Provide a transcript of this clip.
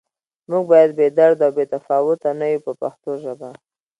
موږ باید بې درده او بې تفاوته نه یو په پښتو ژبه.